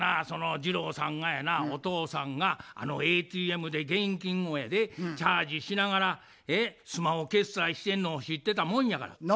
その次郎さんがやなお父さんがＡＴＭで現金をやでチャージしながらスマホ決済してんのを知ってたもんやから。